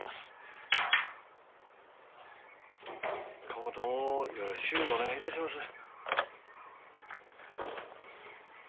今後ともよろしゅうお願いいたします。